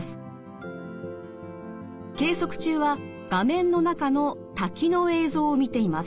計測中は画面の中の滝の映像を見ています。